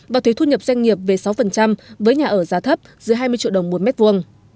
và thuế thu nhập doanh nghiệp về sáu với nhà ở giá thấp dưới hai mươi triệu đồng một mét vuông